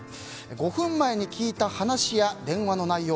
５分前に聞いた話や電話の内容